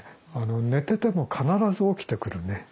寝てても必ず起きてくるね。